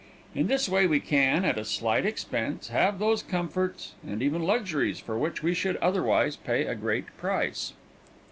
In this way we can, at a slight expense, have those comforts, and even luxuries, for which we should otherwise pay a great price.